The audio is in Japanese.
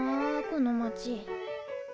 この町。